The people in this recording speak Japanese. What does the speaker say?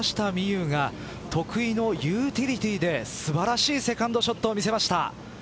有が得意のユーティリティーで素晴らしいセカンドショットを見せました。